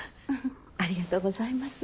ありがとうございます。